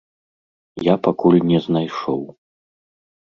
Я пакуль не знайшоў.